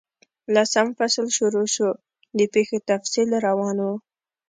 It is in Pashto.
لسم فصل شروع شو، د پیښو تفصیل روان وو.